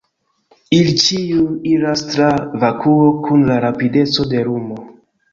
Ili ĉiuj iras tra vakuo kun la rapideco de lumo.